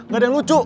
gak ada yang lucu